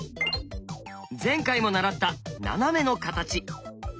前回も習ったナナメの形。